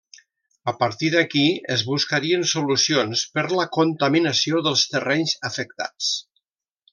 A partir d'aquí es buscarien solucions per la contaminació dels terrenys afectats.